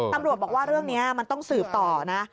ตำรวจบอกว่าเรื่องนี้มันต้องสืบต่อนะ